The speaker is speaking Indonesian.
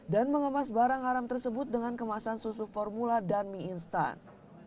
dan mengemas barang haram tersebut dengan kemasan susu formula dan mie instan